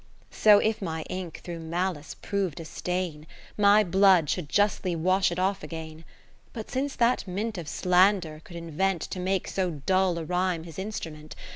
So if my ink through malice prov'd a stain. My blood should justly wash it off again. But since that mint of slander could invent To make so dull a rhyme his instru ment.